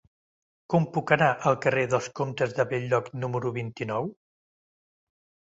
Com puc anar al carrer dels Comtes de Bell-lloc número vint-i-nou?